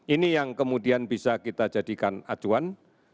ini yang kemudian bisa kita jadikan acuan